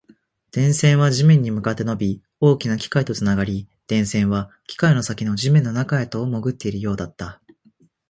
電線は地面に向かって伸び、大きな機械とつながり、電線は機械の先の地面の中へと潜っているようだった